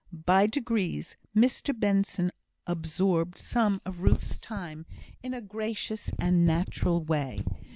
By degrees, Mr Benson absorbed some of Ruth's time in a gracious and natural way.